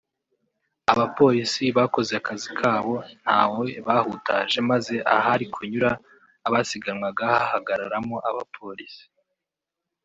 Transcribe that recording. Abapolisi bakoze akazi kabo ntawe bahutaje maze ahari kunyura abasiganwaga hahagararamo abapolisi